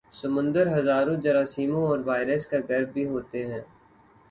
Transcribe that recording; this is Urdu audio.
سمندر ہزاروں جراثیموں اور وائرس کا گھر بھی ہوتے ہیں